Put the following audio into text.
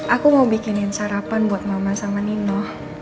aku mau bikinin sarapan buat mama sama nino